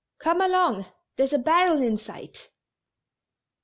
Come along, there's a barrel in sight."